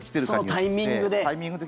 そのタイミングで。